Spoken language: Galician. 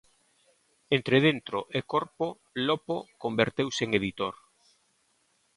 Entre Dentro e Corpo, Lopo converteuse en editor.